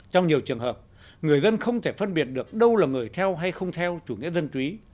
trong nhiều trường hợp người dân không thể phân biệt được đâu là người theo hay không theo chủ nghĩa dân túy